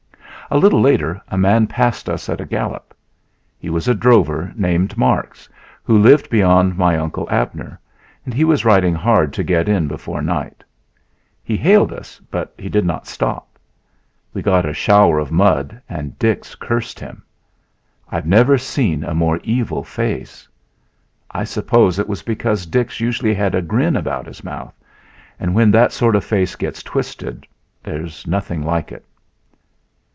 A little later a man passed us at a gallop. He was a drover named Marks, who lived beyond my Uncle Abner, and he was riding hard to get in before night. He hailed us, but he did not stop; we got a shower of mud and Dix cursed him. I have never seen a more evil face. I suppose it was because Dix usually had a grin about his mouth, and when that sort of face gets twisted there's nothing like it.